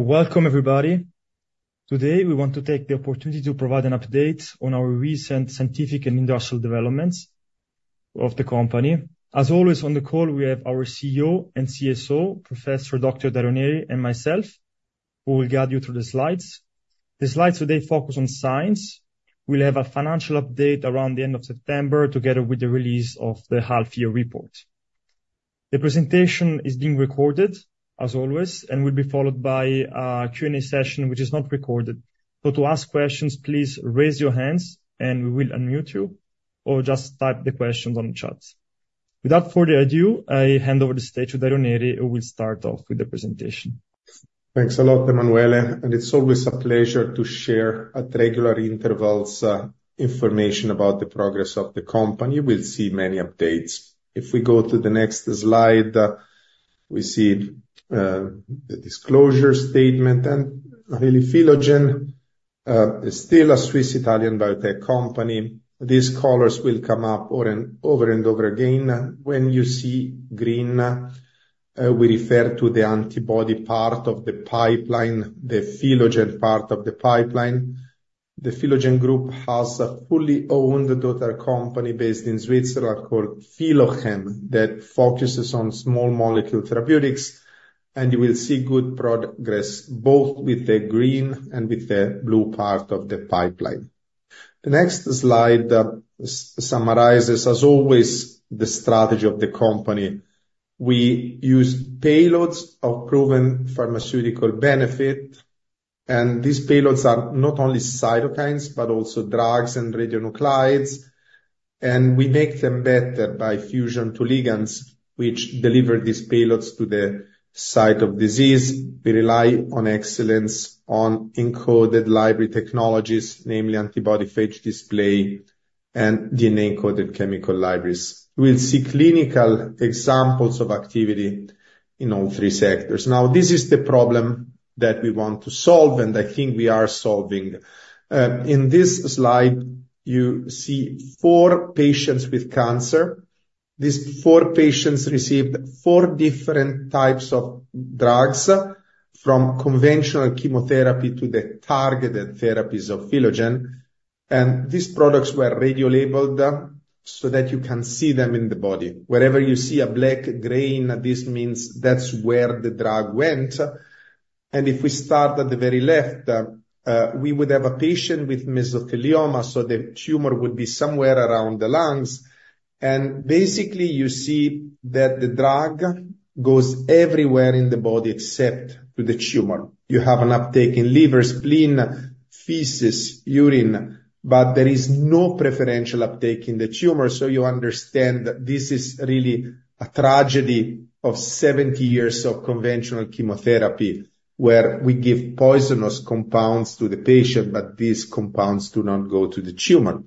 Welcome, everybody. Today, we want to take the opportunity to provide an update on our recent scientific and industrial developments of the company. As always, on the call, we have our CEO and CSO, Professor Dr. Dario Neri, and myself, who will guide you through the slides. The slides today focus on science. We'll have a financial update around the end of September, together with the release of the half-year report. The presentation is being recorded, as always, and will be followed by a Q&A session, which is not recorded. So, to ask questions, please raise your hands, and we will unmute you or just type the questions on the chat. Without further ado, I hand over the stage to Dario Neri, who will start off with the presentation. Thanks a lot, Emanuele. It's always a pleasure to share at regular intervals information about the progress of the company. We'll see many updates. If we go to the next slide, we see the disclosure statement. Really, Philogen is still a Swiss-Italian biotech company. These colors will come up over and over again. When you see green, we refer to the antibody part of the pipeline, the Philogen part of the pipeline. The Philogen Group has a fully owned daughter company based in Switzerland called Philochem that focuses on small molecule therapeutics. You will see good progress both with the green and with the blue part of the pipeline. The next slide summarizes, as always, the strategy of the company. We use payloads of proven pharmaceutical benefit. These payloads are not only cytokines, but also drugs and radionuclides. And we make them better by fusion to ligands, which deliver these payloads to the site of disease. We rely on excellence on encoded library technologies, namely antibody phage display and DNA-encoded chemical libraries. We'll see clinical examples of activity in all three sectors. Now, this is the problem that we want to solve, and I think we are solving. In this slide, you see four patients with cancer. These four patients received four different types of drugs, from conventional chemotherapy to the targeted therapies of Philogen. And these products were radiolabeled so that you can see them in the body. Wherever you see a black grain, this means that's where the drug went. And if we start at the very left, we would have a patient with mesothelioma, so the tumor would be somewhere around the lungs. And basically, you see that the drug goes everywhere in the body except to the tumor. You have an uptake in liver, spleen, feces, urine, but there is no preferential uptake in the tumor. So you understand that this is really a tragedy of 70 years of conventional chemotherapy, where we give poisonous compounds to the patient, but these compounds do not go to the tumor.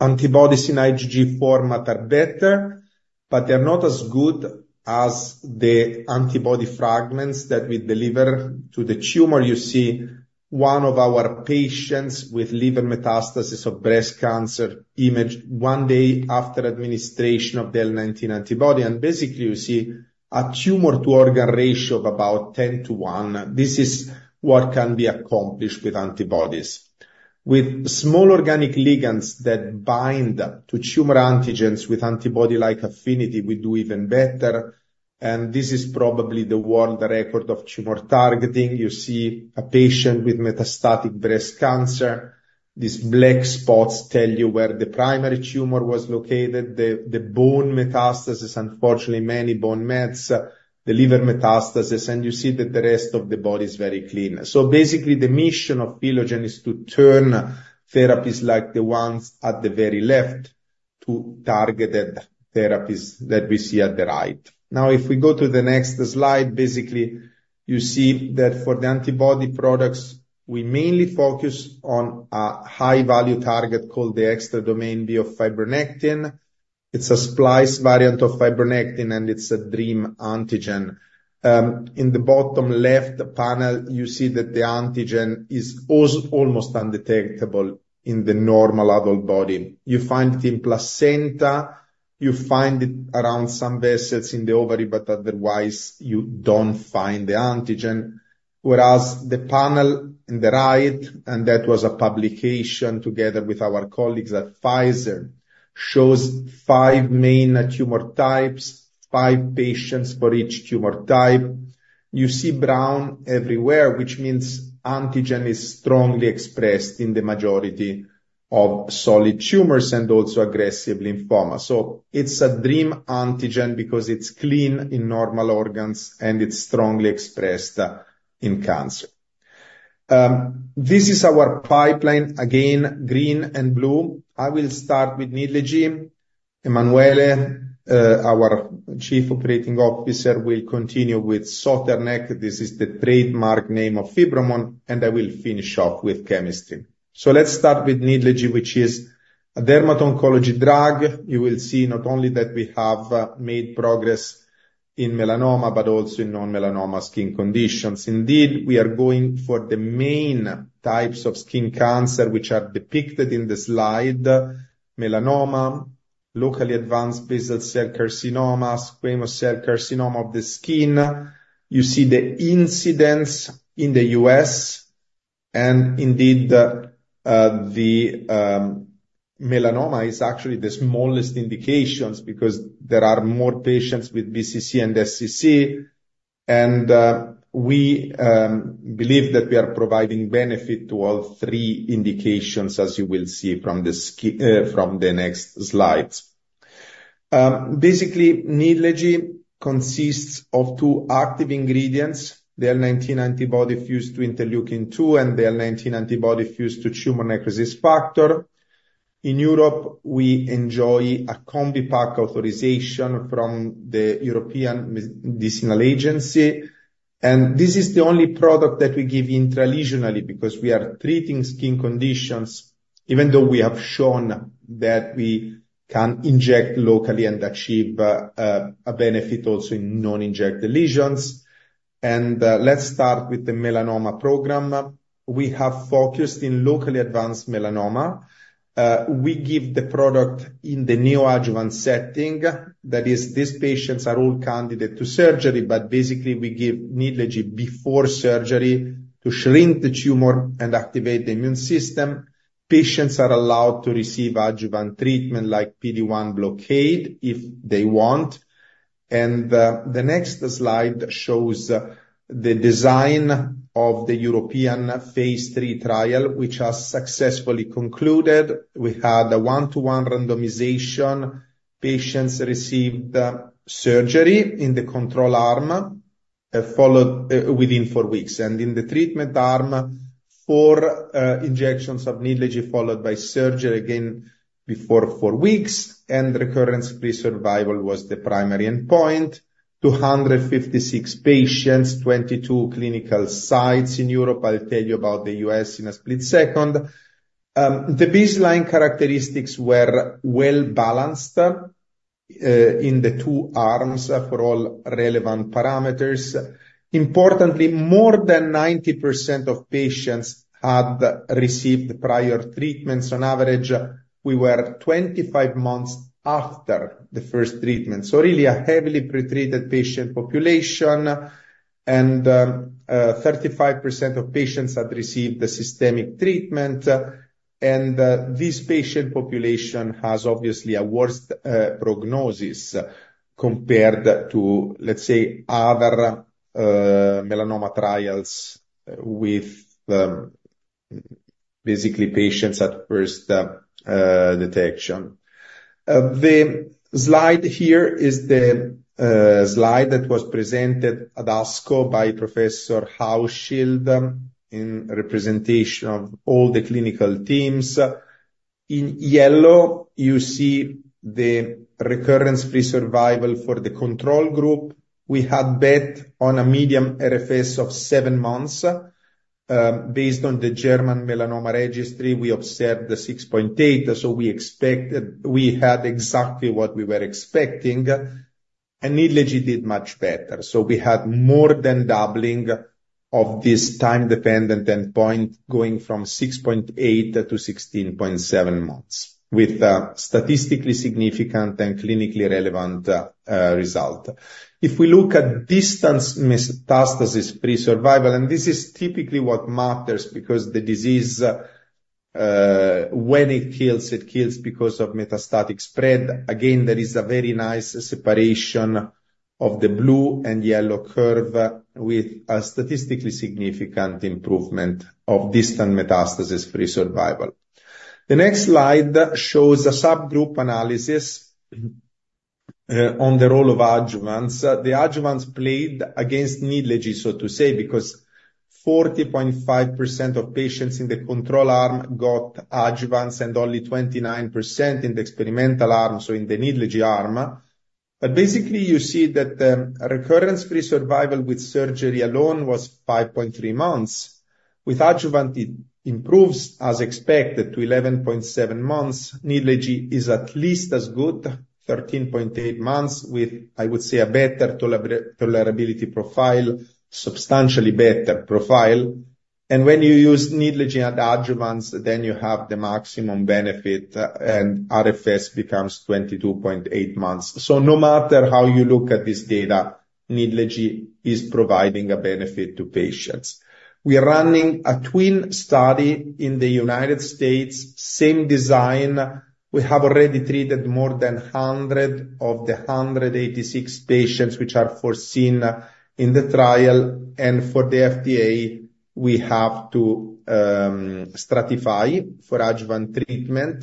Antibodies in IgG format are better, but they're not as good as the antibody fragments that we deliver to the tumor. You see one of our patients with liver metastasis of breast cancer imaged one day after administration of the L19 antibody. And basically, you see a tumor-to-organ ratio of about 10:1. This is what can be accomplished with antibodies. With small organic ligands that bind to tumor antigens with antibody-like affinity, we do even better. This is probably the world record of tumor targeting. You see a patient with metastatic breast cancer. These black spots tell you where the primary tumor was located, the bone metastasis, unfortunately, many bone mets, the liver metastasis, and you see that the rest of the body is very clean. So basically, the mission of Philogen is to turn therapies like the ones at the very left to targeted therapies that we see at the right. Now, if we go to the next slide, basically, you see that for the antibody products, we mainly focus on a high-value target called the Extra-Domain B of fibronectin. It's a splice variant of fibronectin, and it's a dream antigen. In the bottom left panel, you see that the antigen is almost undetectable in the normal adult body. You find it in placenta. You find it around some vessels in the ovary, but otherwise, you don't find the antigen. Whereas the panel on the right, and that was a publication together with our colleagues at Pfizer, shows 5 main tumor types, 5 patients for each tumor type. You see brown everywhere, which means antigen is strongly expressed in the majority of solid tumors and also aggressive lymphoma. So it's a dream antigen because it's clean in normal organs, and it's strongly expressed in cancer. This is our pipeline, again, green and blue. I will start with Nidlegy. Emanuele, our Chief Operating Officer, will continue with Soternec. This is the trademark name of Fibromun, and I will finish off with chemistry. So let's start with Nidlegy, which is a dermatoncology drug. You will see not only that we have made progress in melanoma, but also in non-melanoma skin conditions. Indeed, we are going for the main types of skin cancer, which are depicted in the slide: melanoma, locally advanced basal cell carcinoma, squamous cell carcinoma of the skin. You see the incidence in the U.S. And indeed, the melanoma is actually the smallest indications because there are more patients with BCC and SCC. And we believe that we are providing benefit to all three indications, as you will see from the next slides. Basically, Nidlegy consists of two active ingredients: the L19 antibody fused to interleukin-2 and the L19 antibody fused to tumor necrosis factor. In Europe, we enjoy a combi-pack authorization from the European Medicines Agency. And this is the only product that we give intralesionally because we are treating skin conditions, even though we have shown that we can inject locally and achieve a benefit also in non-injected lesions. And let's start with the melanoma program. We have focused in locally advanced melanoma. We give the product in the neoadjuvant setting. That is, these patients are all candidates to surgery, but basically, we give Nidlegy before surgery to shrink the tumor and activate the immune system. Patients are allowed to receive adjuvant treatment like PD-1 blockade if they want. The next slide shows the design of the European phase III trial, which has successfully concluded. We had a 1:1 randomization. Patients received surgery in the control arm followed within four weeks. In the treatment arm, 4 injections of Nidlegy followed by surgery again before four weeks. Recurrence-free survival was the primary endpoint. 256 patients, 22 clinical sites in Europe. I'll tell you about the U.S. in a split second. The baseline characteristics were well-balanced in the two arms for all relevant parameters. Importantly, more than 90% of patients had received prior treatments. On average, we were 25 months after the first treatment. So really, a heavily pretreated patient population. 35% of patients had received the systemic treatment. This patient population has obviously a worse prognosis compared to, let's say, other melanoma trials with basically patients at first detection. The slide here is the slide that was presented at ASCO by Professor Hauschild in representation of all the clinical teams. In yellow, you see the recurrence-free survival for the control group. We had bet on a median RFS of 7 months. Based on the German melanoma registry, we observed 6.8 months. So we expected we had exactly what we were expecting. Nidlegy did much better. So we had more than doubling of this time-dependent endpoint going from 6.8 month-16.7 months with statistically significant and clinically relevant result. If we look at distant metastasis-free survival, and this is typically what matters because the disease, when it kills, it kills because of metastatic spread. Again, there is a very nice separation of the blue and yellow curve with a statistically significant improvement of distant metastasis-free survival. The next slide shows a subgroup analysis on the role of adjuvants. The adjuvants played against Nidlegy, so to say, because 40.5% of patients in the control arm got adjuvants and only 29% in the experimental arm, so in the Nidlegy arm. But basically, you see that recurrence-free survival with surgery alone was 5.3 months. With adjuvant, it improves as expected to 11.7 months. Nidlegy is at least as good, 13.8 months, with, I would say, a better tolerability profile, substantially better profile. And when you use Nidlegy and adjuvants, then you have the maximum benefit, and RFS becomes 22.8 months. No matter how you look at this data, Nidlegy is providing a benefit to patients. We are running a twin study in the United States, same design. We have already treated more than 100 of the 186 patients which are foreseen in the trial. For the FDA, we have to stratify for adjuvant treatment.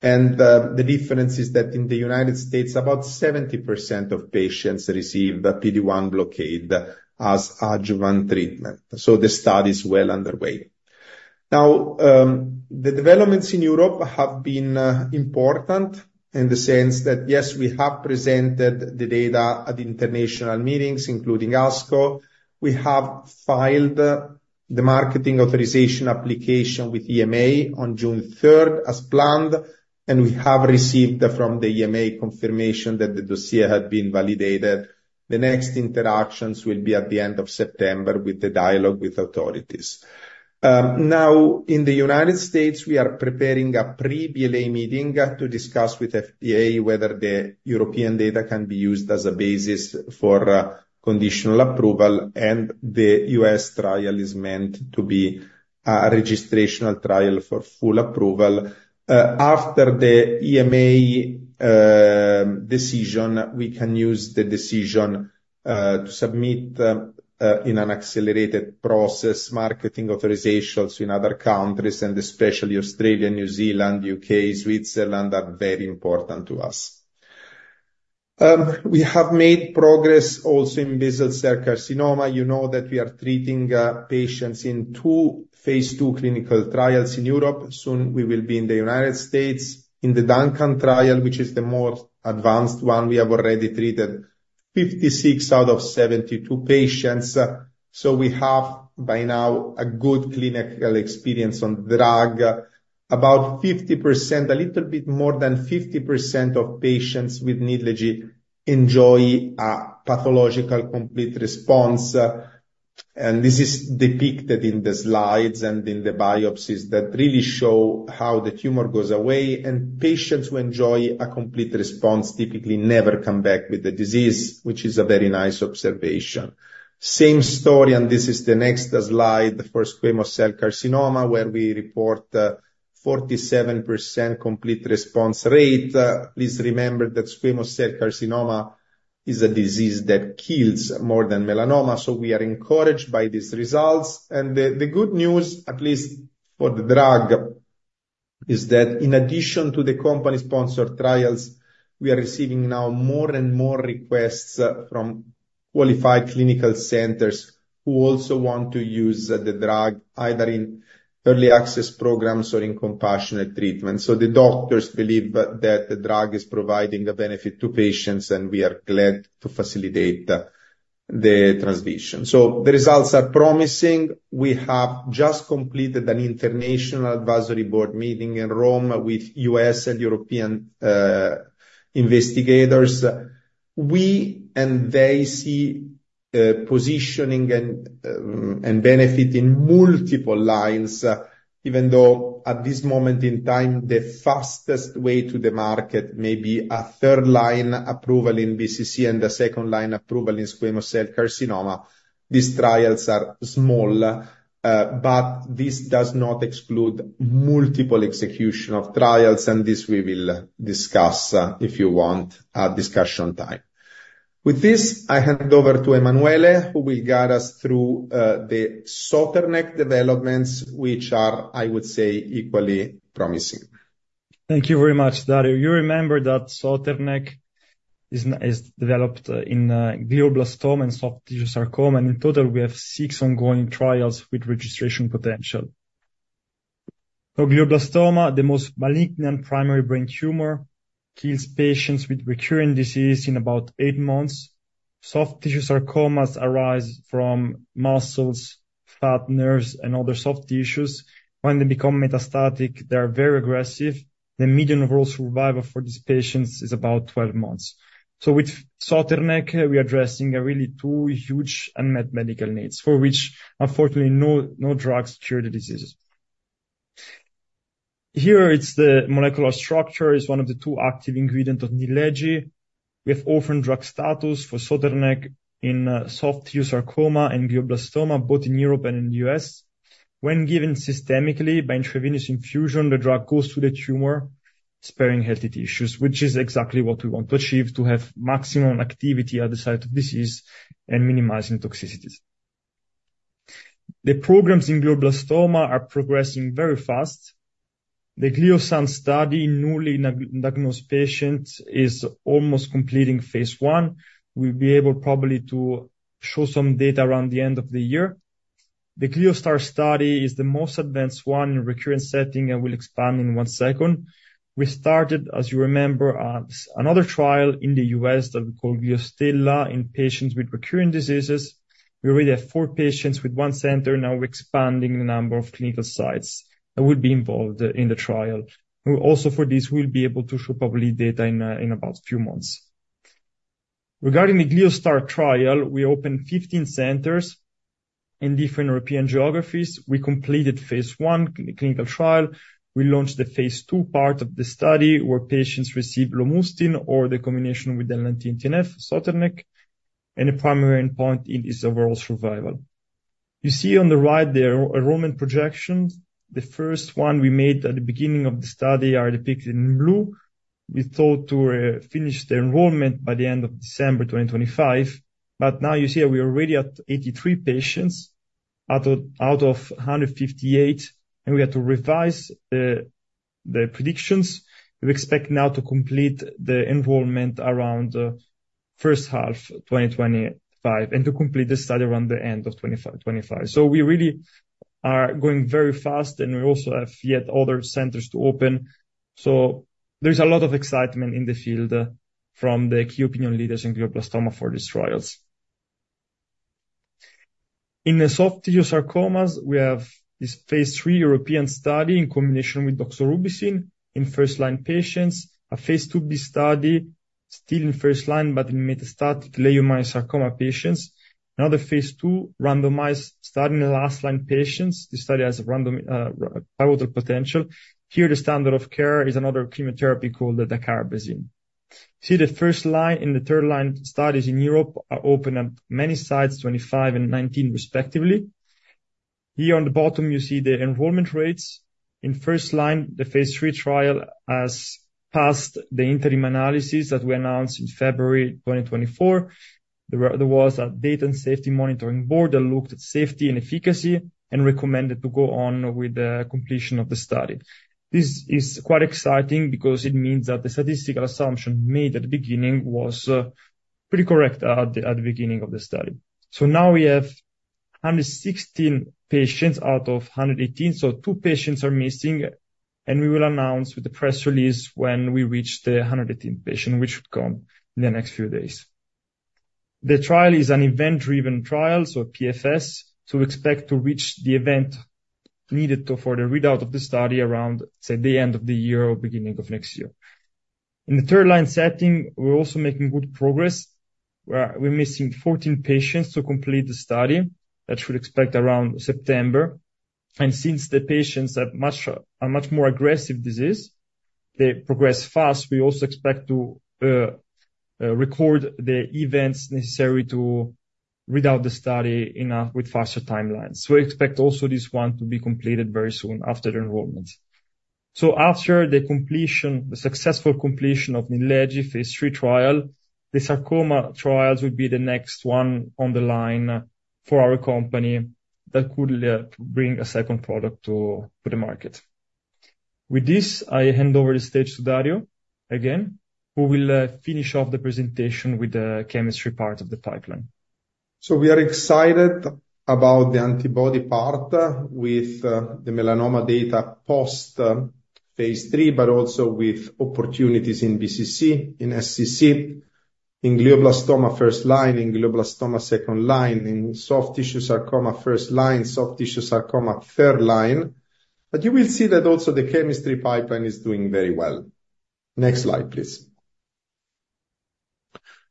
The difference is that in the United States, about 70% of patients receive PD-1 blockade as adjuvant treatment. The study is well underway. Now, the developments in Europe have been important in the sense that, yes, we have presented the data at international meetings, including ASCO. We have filed the marketing authorization application with EMA on June 3rd as planned. We have received from the EMA confirmation that the dossier had been validated. The next interactions will be at the end of September with the dialogue with authorities. Now, in the United States, we are preparing a pre-BLA meeting to discuss with FDA whether the European data can be used as a basis for conditional approval. And the U.S. trial is meant to be a registrational trial for full approval. After the EMA decision, we can use the decision to submit in an accelerated process marketing authorizations in other countries, and especially Australia, New Zealand, U.K., Switzerland are very important to us. We have made progress also in basal cell carcinoma. You know that we are treating patients in two phase II clinical trials in Europe. Soon we will be in the United States in the DUNCAN trial, which is the more advanced one. We have already treated 56 patients out of 72 patients. So we have by now a good clinical experience on the drug. About 50%, a little bit more than 50% of patients with Nidlegy enjoy a pathological complete response. This is depicted in the slides and in the biopsies that really show how the tumor goes away. Patients who enjoy a complete response typically never come back with the disease, which is a very nice observation. Same story, and this is the next slide, for squamous cell carcinoma, where we report 47% complete response rate. Please remember that squamous cell carcinoma is a disease that kills more than melanoma. We are encouraged by these results. The good news, at least for the drug, is that in addition to the company-sponsored trials, we are receiving now more and more requests from qualified clinical centers who also want to use the drug either in early access programs or in compassionate treatment. So the doctors believe that the drug is providing a benefit to patients, and we are glad to facilitate the transmission. So the results are promising. We have just completed an international advisory board meeting in Rome with U.S. and European investigators. We and they see positioning and benefit in multiple lines, even though at this moment in time, the fastest way to the market may be a third-line approval in BCC and a second-line approval in squamous cell carcinoma. These trials are small, but this does not exclude multiple execution of trials. And this we will discuss if you want a discussion time. With this, I hand over to Emanuele, who will guide us through the Soternec developments, which are, I would say, equally promising. Thank you very much, Dario. You remember that Soternec is developed in glioblastoma and soft tissue sarcoma. In total, we have six ongoing trials with registration potential. Glioblastoma, the most malignant primary brain tumor, kills patients with recurrent disease in about eight months. Soft tissue sarcomas arise from muscles, fat, nerves, and other soft tissues. When they become metastatic, they are very aggressive. The median overall survival for these patients is about 12 months. With Soternec, we are addressing really two huge unmet medical needs for which, unfortunately, no drugs cure the disease. Here, it's the molecular structure is one of the two active ingredients of Nidlegy. We have orphan drug status for Soternec in soft tissue sarcoma and glioblastoma, both in Europe and in the U.S.. When given systemically by intravenous infusion, the drug goes to the tumor, sparing healthy tissues, which is exactly what we want to achieve, to have maximum activity at the site of disease and minimizing toxicities. The programs in glioblastoma are progressing very fast. The GLIOSTAR study in newly diagnosed patients is almost completing phase I. We'll be able probably to show some data around the end of the year. The GLIOSTAR study is the most advanced one in recurrent setting and will expand in one second. We started, as you remember, another trial in the U.S. that we call GLIOSTELLA in patients with recurrent diseases. We already have four patients with one center. Now we're expanding the number of clinical sites that will be involved in the trial. Also, for this, we'll be able to show public data in about a few months. Regarding the GLIOSTAR trial, we opened 15 centers in different European geographies. We completed phase I, clinical trial. We launched the phase II part of the study where patients receive lomustine or the combination with L19-TNF, Soternec, and a primary endpoint is overall survival. You see on the right the enrollment projections. The first one we made at the beginning of the study is depicted in blue. We thought to finish the enrollment by the end of December 2025. But now you see we are already at 83 patients out of 158, and we had to revise the predictions. We expect now to complete the enrollment around the first half of 2025 and to complete the study around the end of 2025. So we really are going very fast, and we also have yet other centers to open. So there is a lot of excitement in the field from the key opinion leaders in glioblastoma for these trials. In the soft tissue sarcomas, we have this phase III European study in combination with doxorubicin in first-line patients, a phase II B study still in first line, but in metastatic leiomyosarcoma patients, another phase II randomized study in the last line patients. This study has huge potential. Here, the standard of care is another chemotherapy called dacarbazine. You see the first line and the third line studies in Europe are open at many sites, 25 and 19 respectively. Here on the bottom, you see the enrollment rates. In first line, the phase III trial has passed the interim analysis that we announced in February 2024. There was a data and safety monitoring board that looked at safety and efficacy and recommended to go on with the completion of the study. This is quite exciting because it means that the statistical assumption made at the beginning was pretty correct at the beginning of the study. So now we have 116 patients out of 118 patients. So two patients are missing, and we will announce with the press release when we reach the 118 patient, which should come in the next few days. The trial is an event-driven trial, so PFS. So we expect to reach the event needed for the readout of the study around, say, the end of the year or beginning of next year. In the third line setting, we're also making good progress. We're missing 14 patients to complete the study. That should expect around September. And since the patients are much more aggressive disease, they progress fast, we also expect to record the events necessary to read out the study with faster timelines. So we expect also this one to be completed very soon after the enrollment. So after the completion, the successful completion of Nidlegy phase III trial, the sarcoma trials would be the next one on the line for our company that could bring a second product to the market. With this, I hand over the stage to Dario again, who will finish off the presentation with the chemistry part of the pipeline. So we are excited about the antibody part with the melanoma data post phase III, but also with opportunities in BCC, in SCC, in glioblastoma first line, in glioblastoma second line, in soft tissue sarcoma first line, soft tissue sarcoma third line. But you will see that also the chemistry pipeline is doing very well. Next slide, please.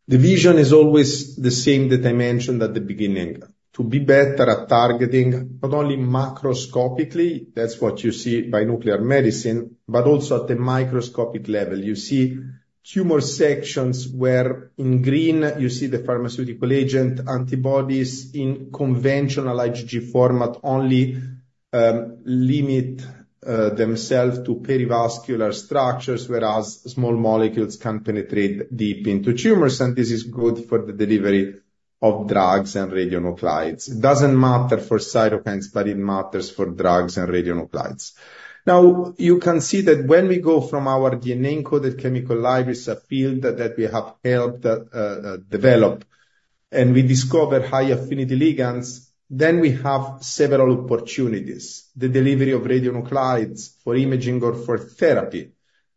The vision is always the same that I mentioned at the beginning. To be better at targeting, not only macroscopically, that's what you see by nuclear medicine, but also at the microscopic level. You see tumor sections where, in green, you see the pharmaceutical agent antibodies in conventional IgG format only limit themselves to perivascular structures, whereas small molecules can penetrate deep into tumors. This is good for the delivery of drugs and radionuclides. It doesn't matter for cytokines, but it matters for drugs and radionuclides. Now, you can see that when we go from our DNA-encoded chemical libraries, a field that we have helped develop, and we discover high affinity ligands, then we have several opportunities: the delivery of radionuclides for imaging or for therapy,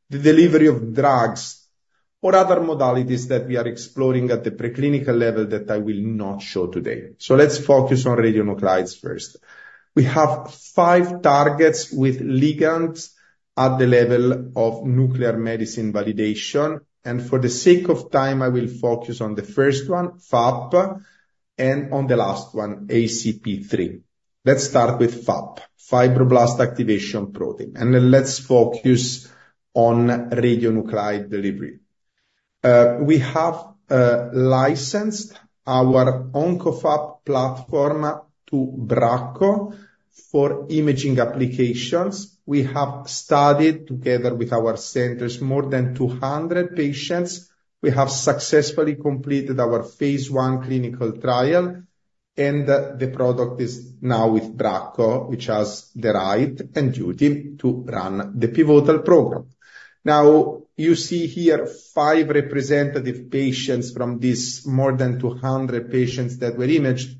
the delivery of drugs, or other modalities that we are exploring at the preclinical level that I will not show today. Let's focus on radionuclides first. We have five targets with ligands at the level of nuclear medicine validation. For the sake of time, I will focus on the first one, FAP, and on the last one, ACP3. Let's start with FAP, fibroblast activation protein. Then let's focus on radionuclide delivery. We have licensed our OncoFAP platform to Bracco for imaging applications. We have studied together with our centers more than 200 patients. We have successfully completed our phase I clinical trial. The product is now with Bracco, which has the right and duty to run the pivotal program. Now, you see here five representative patients from these more than 200 patients that were imaged.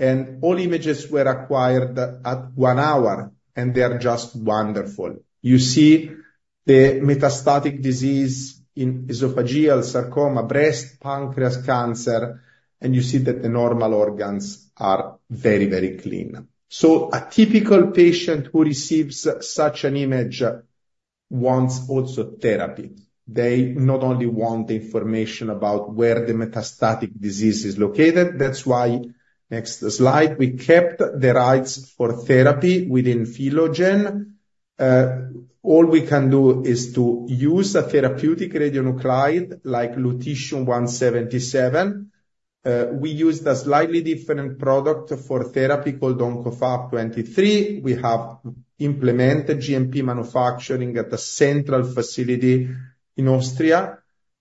All images were acquired at one hour. They are just wonderful. You see the metastatic disease in esophageal sarcoma, breast, pancreas cancer. You see that the normal organs are very, very clean. So a typical patient who receives such an image wants also therapy. They not only want the information about where the metastatic disease is located. That's why next slide, we kept the rights for therapy within Philogen. All we can do is to use a therapeutic radionuclide like Lutetium-177. We used a slightly different product for therapy called OncoFAP-23. We have implemented GMP manufacturing at a central facility in Austria.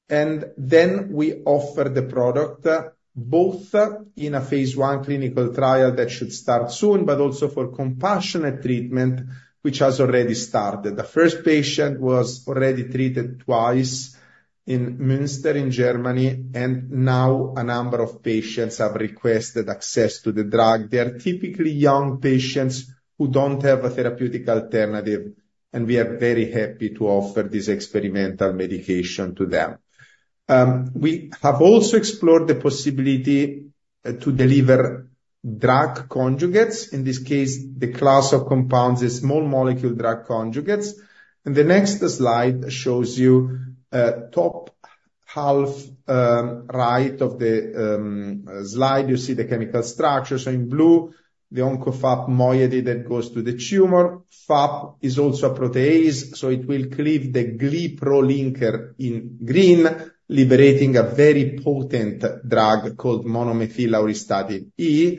And then we offer the product both in a phase I clinical trial that should start soon, but also for compassionate treatment, which has already started. The first patient was already treated twice in Münster in Germany. And now a number of patients have requested access to the drug. They are typically young patients who don't have a therapeutic alternative. And we are very happy to offer this experimental medication to them. We have also explored the possibility to deliver drug conjugates. In this case, the class of compounds is small molecule drug conjugates. The next slide shows you top half right of the slide. You see the chemical structure. So in blue, the OncoFAP moiety that goes to the tumor. FAP is also a protease. So it will cleave the cleavable linker in green, liberating a very potent drug called monomethyl auristatin E.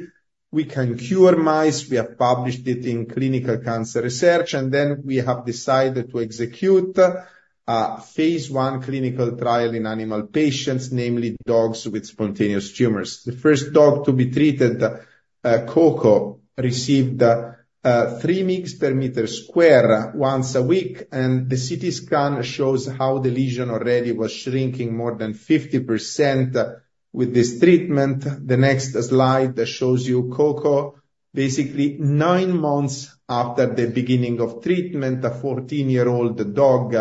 We can cure mice. We have published it in Clinical Cancer Research. Then we have decided to execute a phase I clinical trial in animal patients, namely dogs with spontaneous tumors. The first dog to be treated, Coco, received 3 mg/m2 once a week. The CT scan shows how the lesion already was shrinking more than 50% with this treatment. The next slide shows you Coco, basically nine months after the beginning of treatment, a 14-year-old dog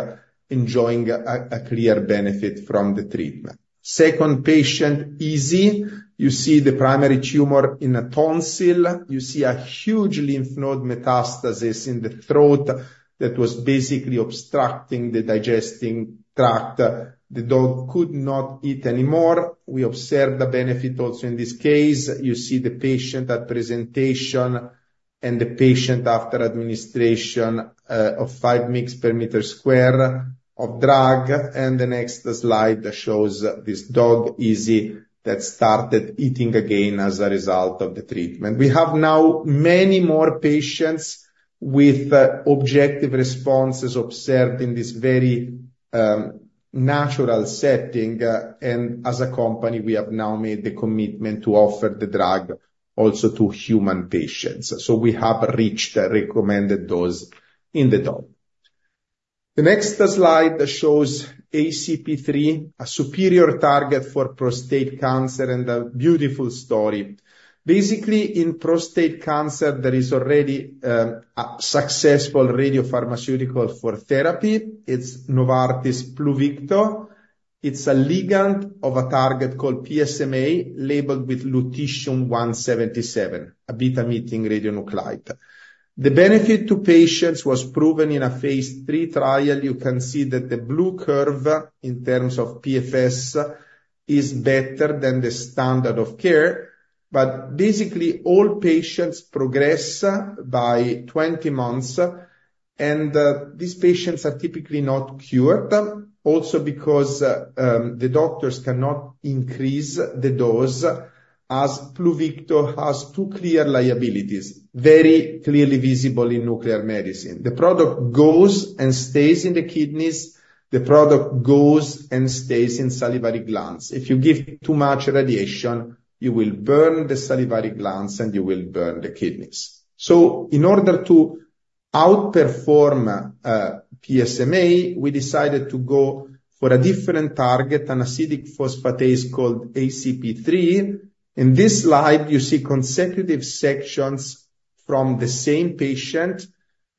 enjoying a clear benefit from the treatment. Second patient, Izzy. You see the primary tumor in a tonsil. You see a huge lymph node metastasis in the throat that was basically obstructing the digestive tract. The dog could not eat anymore. We observed the benefit also in this case. You see the patient at presentation and the patient after administration of 5 mg/m2 of drug. The next slide shows this dog, Izzy, that started eating again as a result of the treatment. We have now many more patients with objective responses observed in this very natural setting. As a company, we have now made the commitment to offer the drug also to human patients. We have reached the recommended dose in the dog. The next slide shows ACP3, a superior target for prostate cancer and a beautiful story. Basically, in prostate cancer, there is already a successful radiopharmaceutical for therapy. It's Novartis Pluvicto. It's a ligand of a target called PSMA labeled with Lutetium-177, a beta-emitting radionuclide. The benefit to patients was proven in a phase III trial. You can see that the blue curve in terms of PFS is better than the standard of care. But basically, all patients progress by 20 months. And these patients are typically not cured, also because the doctors cannot increase the dose, as Pluvicto has two clear liabilities, very clearly visible in nuclear medicine. The product goes and stays in the kidneys. The product goes and stays in salivary glands. If you give too much radiation, you will burn the salivary glands and you will burn the kidneys. So, in order to outperform PSMA, we decided to go for a different target, an acid phosphatase called ACP3. In this slide, you see consecutive sections from the same patient.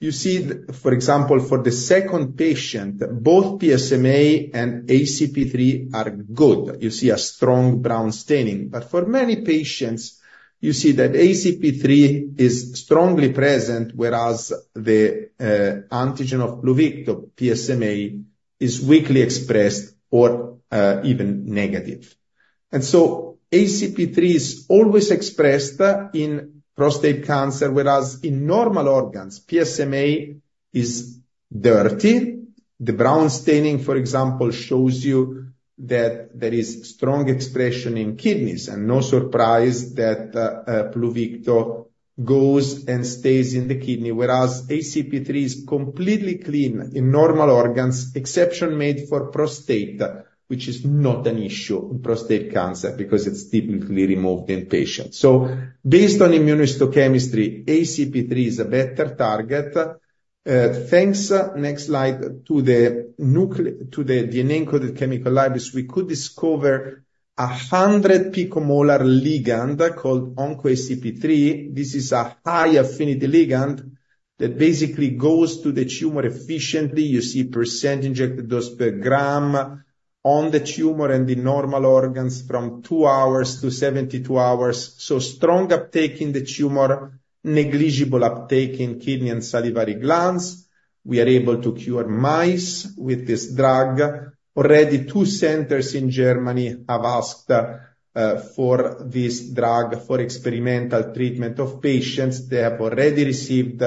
You see, for example, for the second patient, both PSMA and ACP3 are good. You see a strong brown staining. But for many patients, you see that ACP3 is strongly present, whereas the antigen of Pluvicto, PSMA, is weakly expressed or even negative. And so ACP3 is always expressed in prostate cancer, whereas in normal organs, PSMA is dirty. The brown staining, for example, shows you that there is strong expression in kidneys. And no surprise that Pluvicto goes and stays in the kidney, whereas ACP3 is completely clean in normal organs, exception made for prostate, which is not an issue in prostate cancer because it's typically removed in patients. So based on immunohistochemistry, ACP3 is a better target. Thanks, next slide, to the DNA-encoded chemical libraries, we could discover a 100-picomolar ligand called OncoACP3. This is a high affinity ligand that basically goes to the tumor efficiently. You see percentage injected dose per gram on the tumor and the normal organs from 2 hours-72 hours. So strong uptake in the tumor, negligible uptake in kidney and salivary glands. We are able to cure mice with this drug. Already two centers in Germany have asked for this drug for experimental treatment of patients. They have already received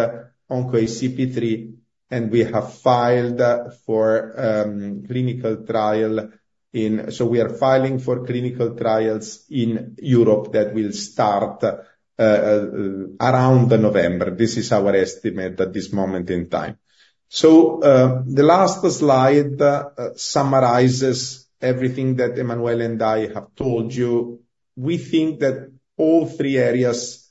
OncoACP3, and we have filed for clinical trial in. So we are filing for clinical trials in Europe that will start around November. This is our estimate at this moment in time. So the last slide summarizes everything that Emanuele and I have told you. We think that all three areas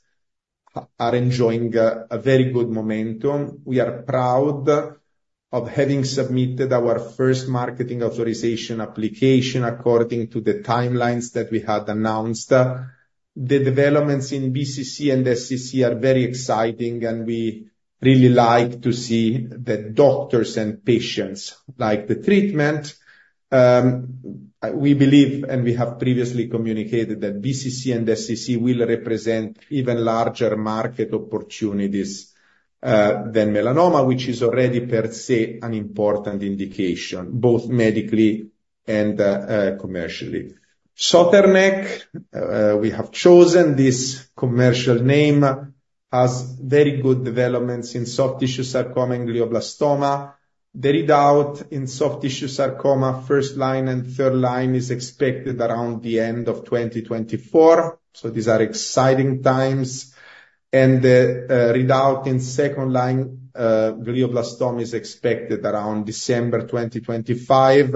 are enjoying a very good momentum. We are proud of having submitted our first marketing authorization application according to the timelines that we had announced. The developments in BCC and SCC are very exciting, and we really like to see the doctors and patients like the treatment. We believe, and we have previously communicated, that BCC and SCC will represent even larger market opportunities than melanoma, which is already per se an important indication, both medically and commercially. Soternec, we have chosen this commercial name, has very good developments in soft tissue sarcoma and glioblastoma. The readout in soft tissue sarcoma, first line and third line, is expected around the end of 2024. So these are exciting times. And the readout in second line, glioblastoma, is expected around December 2025.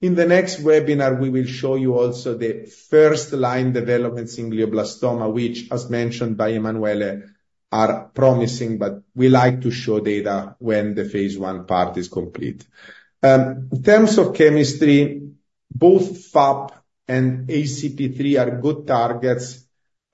In the next webinar, we will show you also the first line developments in glioblastoma, which, as mentioned by Emanuele, are promising, but we like to show data when the phase I part is complete. In terms of chemistry, both FAP and ACP3 are good targets,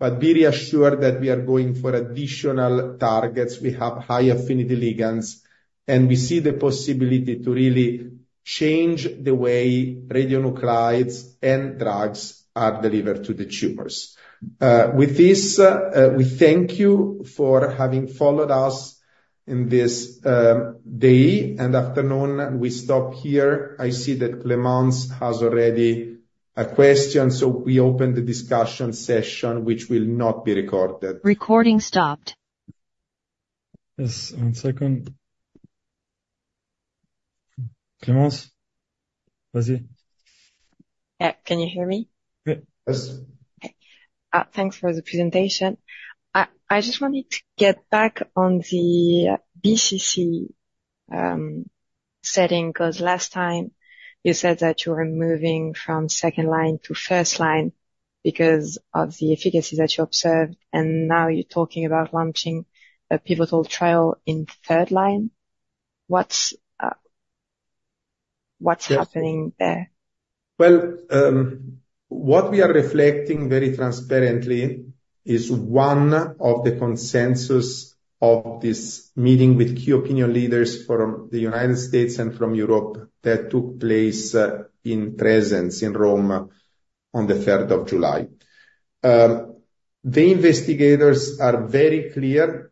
but be reassured that we are going for additional targets. We have high affinity ligands, and we see the possibility to really change the way radionuclides and drugs are delivered to the tumors. With this, we thank you for having followed us in this day and afternoon. We stop here. I see that Clémence has already a question, so we open the discussion session, which will not be recorded. Recording stopped. Yes, one second. Clémence? Yeah, can you hear me? Yes. Okay. Thanks for the presentation. I just wanted to get back on the BCC setting because last time you said that you were moving from second line to first line because of the efficacy that you observed, and now you're talking about launching a pivotal trial in third line. What's happening there? Well, what we are reflecting very transparently is one of the consensus of this meeting with key opinion leaders from the United States and from Europe that took place in Rome on the 3rd of July. The investigators are very clear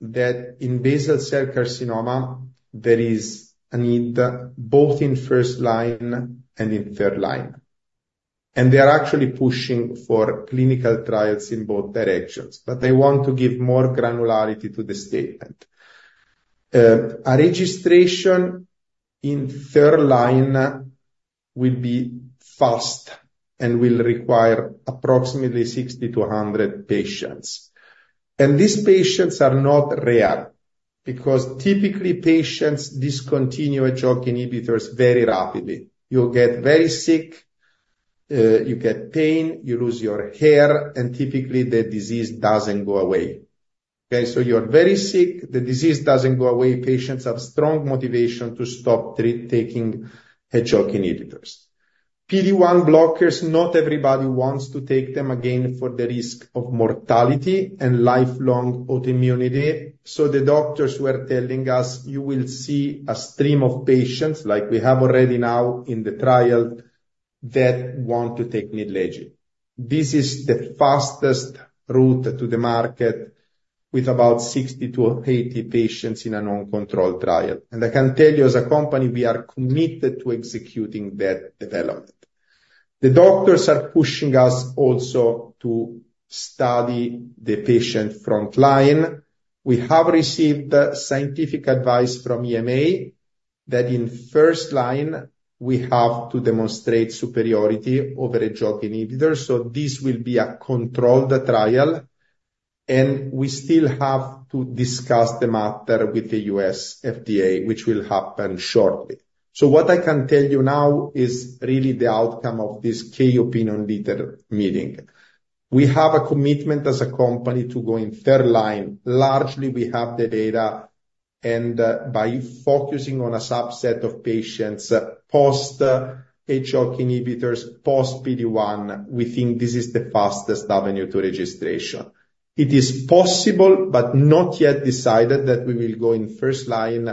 that in basal cell carcinoma, there is a need both in first line and in third line. And they are actually pushing for clinical trials in both directions. But I want to give more granularity to the statement. A registration in third line will be fast and will require approximately 60 patients-100 patients. These patients are not rare because typically patients discontinue Hedgehog inhibitors very rapidly. You'll get very sick, you get pain, you lose your hair, and typically the disease doesn't go away. Okay, so you're very sick, the disease doesn't go away, patients have strong motivation to stop taking Hedgehog inhibitors. PD-1 blockers, not everybody wants to take them again for the risk of mortality and lifelong autoimmunity. So the doctors were telling us, you will see a stream of patients like we have already now in the trial that want to take Nidlegy. This is the fastest route to the market with about 60 patients-80 patients in a non-controlled trial. And I can tell you as a company, we are committed to executing that development. The doctors are pushing us also to study the patient frontline. We have received scientific advice from EMEA that in first line, we have to demonstrate superiority over Hedgehog inhibitors. So this will be a controlled trial. We still have to discuss the matter with the U.S. FDA, which will happen shortly. So what I can tell you now is really the outcome of this key opinion leader meeting. We have a commitment as a company to go in third line. Largely, we have the data. By focusing on a subset of patients post-Hedgehog inhibitors, post-PD-1, we think this is the fastest avenue to registration. It is possible, but not yet decided that we will go in first line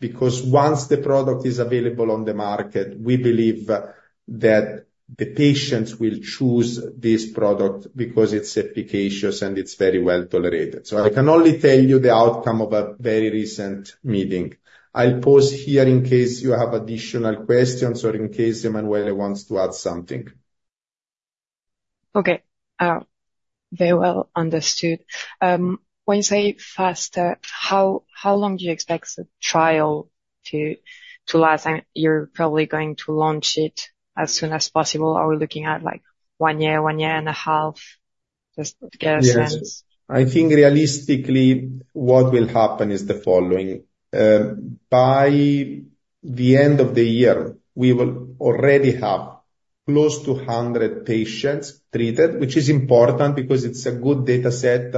because once the product is available on the market, we believe that the patients will choose this product because it's efficacious and it's very well tolerated. So I can only tell you the outcome of a very recent meeting. I'll pause here in case you have additional questions or in case Emanuele wants to add something. Okay. Very well understood. When you say faster, how long do you expect the trial to last? You're probably going to launch it as soon as possible. Are we looking at one year, one year and a half? Just guessing. Yes. I think realistically, what will happen is the following. By the end of the year, we will already have close to 100 patients treated, which is important because it's a good data set,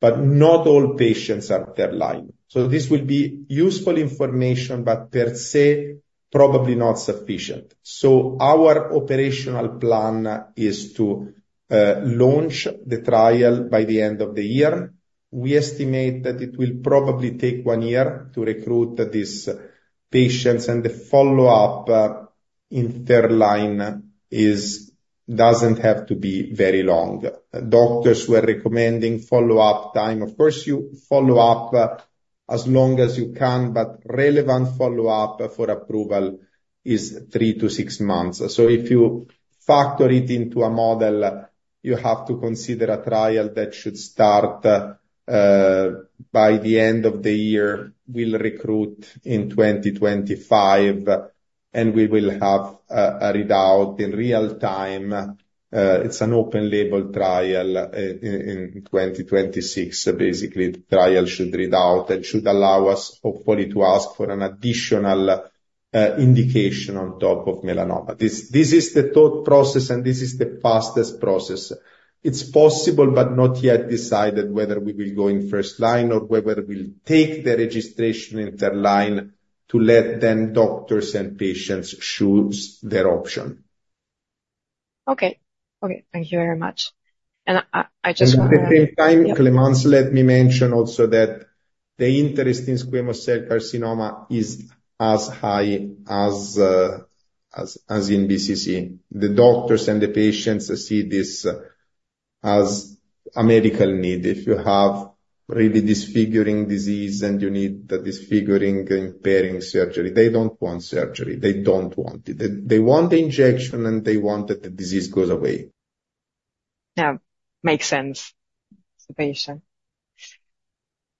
but not all patients are third line. So this will be useful information, but per se, probably not sufficient. So our operational plan is to launch the trial by the end of the year. We estimate that it will probably take one year to recruit these patients, and the follow-up in third line doesn't have to be very long. Doctors were recommending follow-up time. Of course, you follow up as long as you can, but relevant follow-up for approval is 3 months-6 months. So if you factor it into a model, you have to consider a trial that should start by the end of the year. We'll recruit in 2025, and we will have a readout in real time. It's an open-label trial in 2026. Basically, the trial should read out and should allow us, hopefully, to ask for an additional indication on top of melanoma. This is the thought process, and this is the fastest process. It's possible, but not yet decided whether we will go in first line or whether we'll take the registration in third line to let the doctors and patients choose their option. Okay. Okay. Thank you very much. And I just want to- At the same time, Clémence, let me mention also that the interest in squamous cell carcinoma is as high as in BCC. The doctors and the patients see this as a medical need. If you have really disfiguring disease and you need the disfiguring impairing surgery, they don't want surgery. They don't want it. They want the injection, and they want that the disease goes away. Yeah. Makes sense to the patient.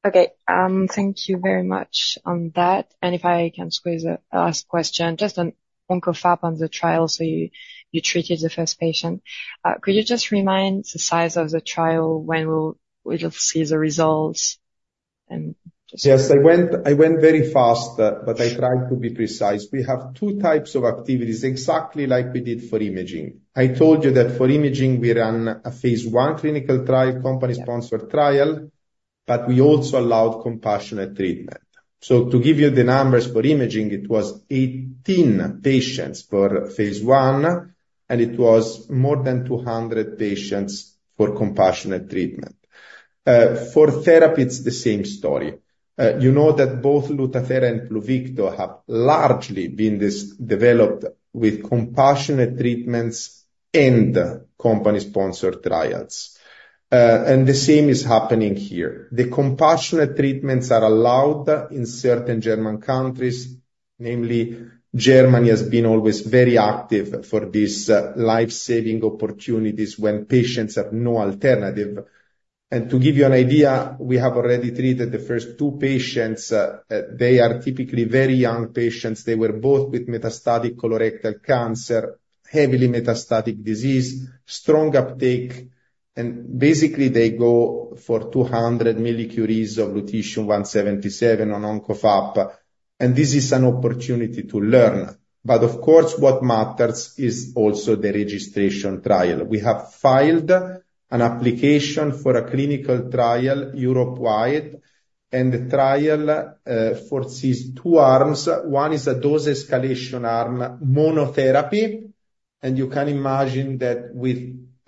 Okay. Thank you very much on that. And if I can squeeze the last question, just an OncoFAP on the trial, so you treated the first patient. Could you just remind the size of the trial when we'll see the results? Yes. I went very fast, but I tried to be precise. We have two types of activities, exactly like we did for imaging. I told you that for imaging, we ran a phase I clinical trial, company-sponsored trial, but we also allowed compassionate treatment. So to give you the numbers for imaging, it was 18 patients for phase I, and it was more than 200 patients for compassionate treatment. For therapy, it's the same story. You know that both Lutathera and Pluvicto have largely been developed with compassionate treatments and company-sponsored trials. And the same is happening here. The compassionate treatments are allowed in certain German countries. Namely, Germany has been always very active for these lifesaving opportunities when patients have no alternative. And to give you an idea, we have already treated the first 2 patients. They are typically very young patients. They were both with metastatic colorectal cancer, heavily metastatic disease, strong uptake. And basically, they go for 200 mCi of Lutetium-177 on OncoFAP. This is an opportunity to learn. But of course, what matters is also the registration trial. We have filed an application for a clinical trial, Europe-wide, and the trial foresees two arms. One is a dose escalation arm, monotherapy. You can imagine that with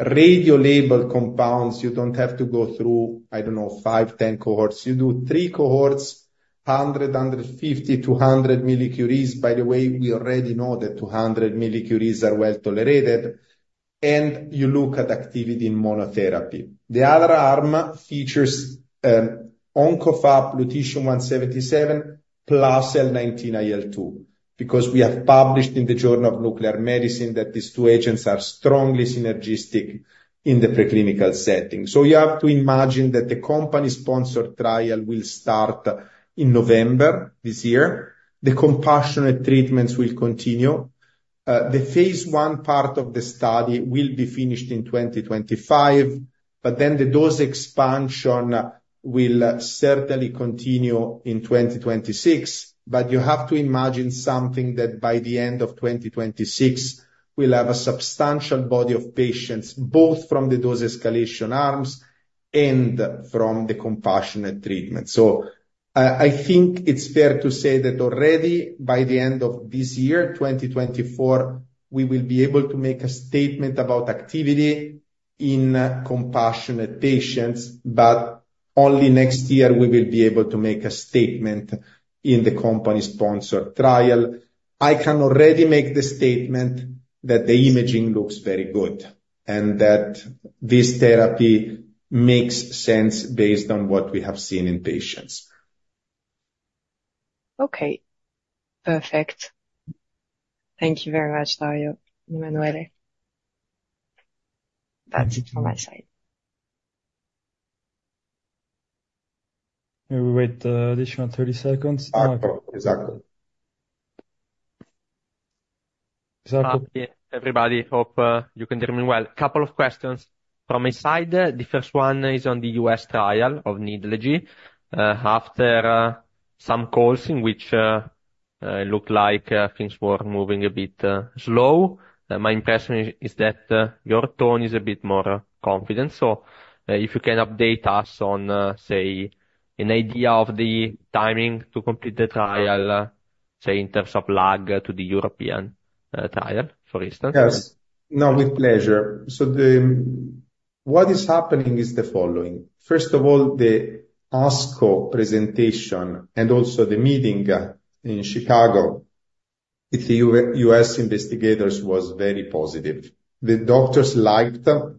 radiolabeled compounds, you don't have to go through, I don't know, 5, 10 cohorts. You do three cohorts, 100, 150, 200 mCi. By the way, we already know that 200 mCi are well tolerated. You look at activity in monotherapy. The other arm features OncoFAP, Lutetium-177, plus L19-IL2, because we have published in the Journal of Nuclear Medicine that these two agents are strongly synergistic in the preclinical setting. You have to imagine that the company-sponsored trial will start in November this year. The compassionate treatments will continue. The phase I part of the study will be finished in 2025, but then the dose expansion will certainly continue in 2026. But you have to imagine something that by the end of 2026, we'll have a substantial body of patients, both from the dose escalation arms and from the compassionate treatment. So I think it's fair to say that already by the end of this year, 2024, we will be able to make a statement about activity in compassionate patients, but only next year we will be able to make a statement in the company-sponsored trial. I can already make the statement that the imaging looks very good and that this therapy makes sense based on what we have seen in patients. Okay. Perfect. Thank you very much, Dario, Emanuele. That's it from my side. May we wait additional 30 seconds? Exactly. Exactly. Everybody, hope you can hear me well. A couple of questions from my side. The first one is on the U.S. trial of Nidlegy. After some calls in which it looked like things were moving a bit slow, my impression is that your tone is a bit more confident. So if you can update us on, say, an idea of the timing to complete the trial, say, in terms of lag to the European trial, for instance. Yes. No, with pleasure. So what is happening is the following. First of all, the ASCO presentation and also the meeting in Chicago with the U.S. investigators was very positive. The doctors liked the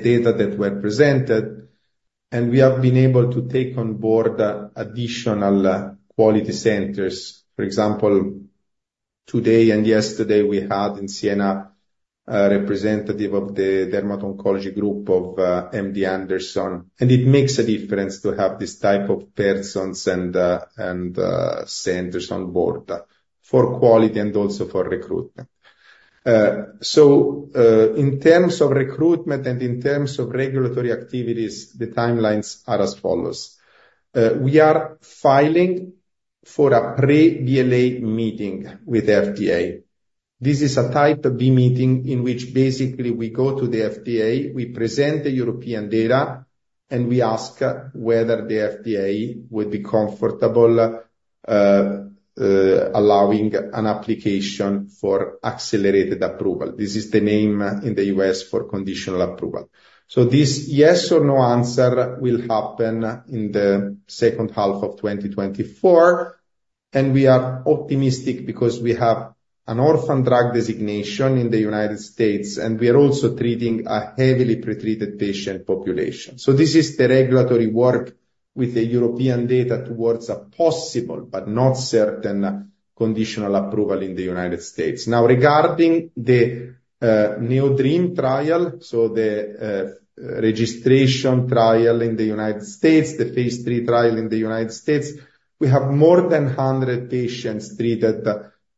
data that were presented, and we have been able to take on board additional quality centers. For example, today and yesterday, we had in Siena a representative of the Dermatology Group of MD Anderson. And it makes a difference to have this type of persons and centers on board for quality and also for recruitment. So in terms of recruitment and in terms of regulatory activities, the timelines are as follows. We are filing for a pre-BLA meeting with the FDA. This is a type of B meeting in which basically we go to the FDA, we present the European data, and we ask whether the FDA would be comfortable allowing an application for accelerated approval. This is the name in the U.S. for conditional approval. So this yes or no answer will happen in the second half of 2024. And we are optimistic because we have an orphan drug designation in the United States, and we are also treating a heavily pretreated patient population. So this is the regulatory work with the European data towards a possible but not certain conditional approval in the United States. Now, regarding the NeoDREAM trial, so the registration trial in the United States, the phase III trial in the United States, we have more than 100 patients treated.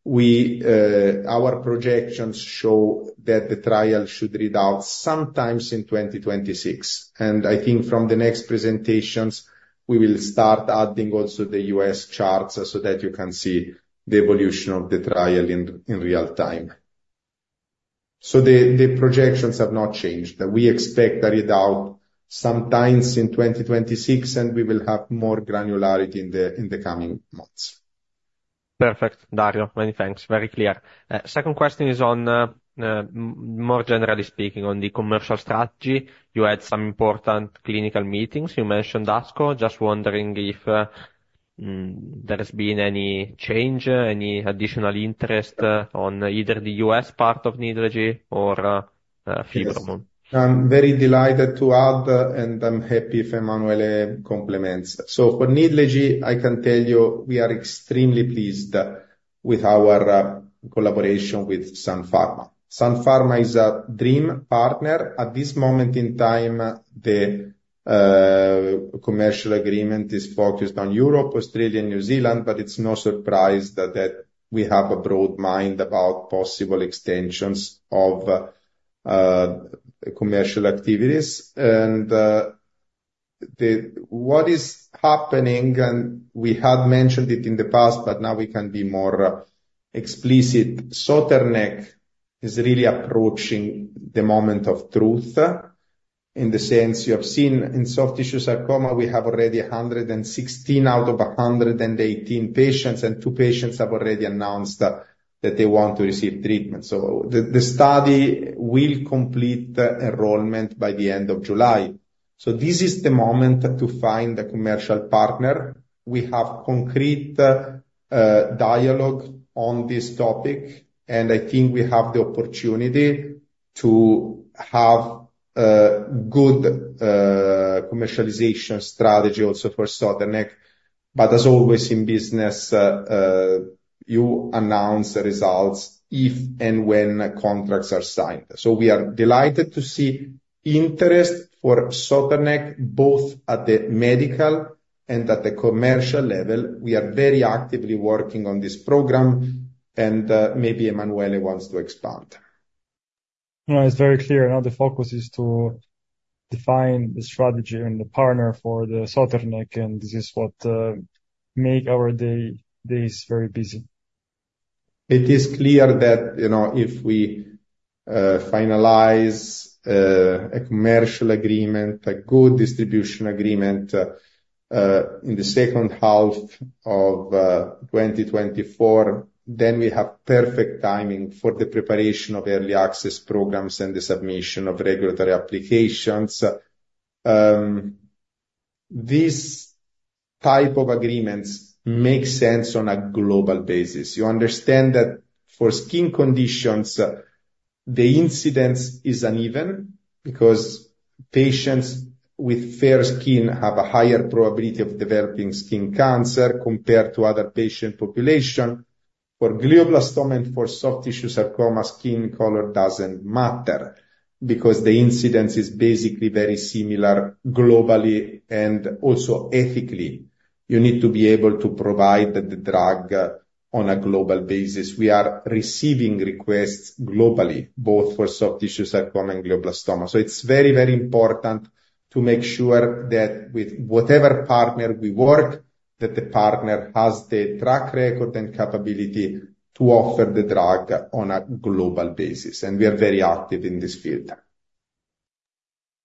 Our projections show that the trial should read out sometime in 2026. And I think from the next presentations, we will start adding also the U.S. charts so that you can see the evolution of the trial in real time. So the projections have not changed. We expect a readout sometime in 2026, and we will have more granularity in the coming months. Perfect. Dario, many thanks. Very clear. Second question is on, more generally speaking, on the commercial strategy. You had some important clinical meetings. You mentioned ASCO. Just wondering if there has been any change, any additional interest on either the U.S. part of Nidlegy or Fibromun. I'm very delighted to add, and I'm happy if Emanuele complements. So for Nidlegy, I can tell you we are extremely pleased with our collaboration with Sun Pharma. Sun Pharma is a dream partner. At this moment in time, the commercial agreement is focused on Europe, Australia, and New Zealand, but it's no surprise that we have a broad mind about possible extensions of commercial activities. What is happening, and we had mentioned it in the past, but now we can be more explicit, Soternec is really approaching the moment of truth in the sense you have seen in soft tissue sarcoma, we have already 116 out of 118 patients, and 2 patients have already announced that they want to receive treatment. So the study will complete enrollment by the end of July. So this is the moment to find a commercial partner. We have concrete dialogue on this topic, and I think we have the opportunity to have good commercialization strategy also for Soternec. But as always in business, you announce the results if and when contracts are signed. So we are delighted to see interest for Soternec both at the medical and at the commercial level. We are very actively working on this program, and maybe Emanuele wants to expand. It's very clear. Now, the focus is to define the strategy and the partner for the Soternec, and this is what makes our days very busy. It is clear that if we finalize a commercial agreement, a good distribution agreement in the second half of 2024, then we have perfect timing for the preparation of early access programs and the submission of regulatory applications. This type of agreements makes sense on a global basis. You understand that for skin conditions, the incidence is uneven because patients with fair skin have a higher probability of developing skin cancer compared to other patient populations. For glioblastoma and for soft tissue sarcoma, skin color doesn't matter because the incidence is basically very similar globally and also ethically. You need to be able to provide the drug on a global basis. We are receiving requests globally, both for soft tissue sarcoma and glioblastoma. So it's very, very important to make sure that with whatever partner we work, that the partner has the track record and capability to offer the drug on a global basis. And we are very active in this field.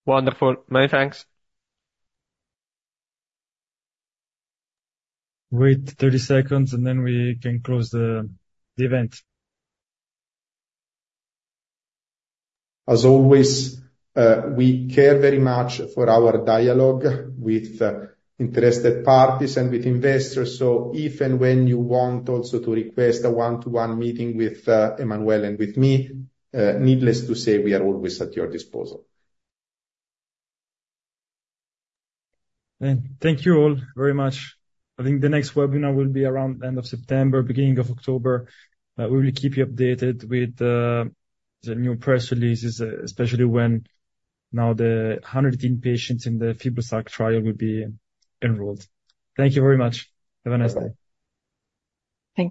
Wonderful. Many thanks. Wait 30 seconds, and then we can close the event. As always, we care very much for our dialogue with interested parties and with investors. So if and when you want also to request a one-to-one meeting with Emanuele and with me, needless to say, we are always at your disposal. Thank you all very much. I think the next webinar will be around the end of September, beginning of October. We will keep you updated with the new press releases, especially when now the 118 patients in the FIBROSARC trial will be enrolled. Thank you very much. Have a nice day. Thanks.